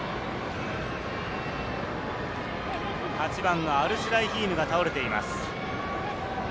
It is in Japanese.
８番のアルスライヒームが倒れています。